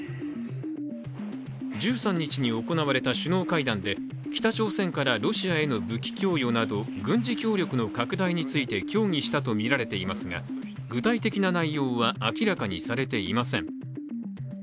１３日に行われた首脳会談で北朝鮮からロシアへの武器供与など軍事協力の拡大について協議したとみられていますが具体的な内容は明らかにされていません。